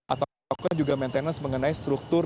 atau melakukan juga maintenance mengenai struktur